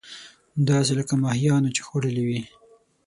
داسې لکه ماهيانو چې خوړلې وي.